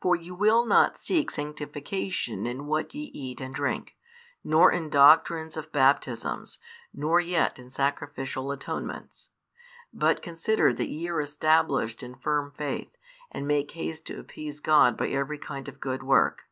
For you will not seek sanctification in what ye eat and drink, nor in doctrines of baptisms, nor yet in sacrificial atonements; but consider that ye are established in firm faith, and make haste to appease God by every kind of good work.